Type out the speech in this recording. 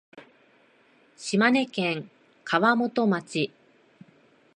島根県川本町